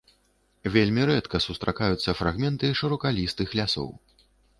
Вельмі рэдка сустракаюцца фрагменты шыракалістых лясоў.